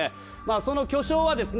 その巨匠はですね